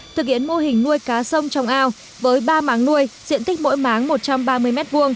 thực hiện mô hình nuôi cá sông trong ao với ba máng nuôi diện tích mỗi máng một trăm ba mươi m hai